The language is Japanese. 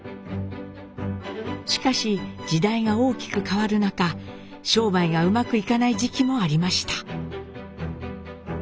しかし時代が大きく変わる中商売がうまくいかない時期もありました。